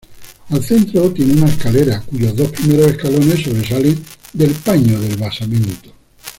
Al centro tiene una escalera, cuyos dos primeros escalones sobresalen del paño del basamento.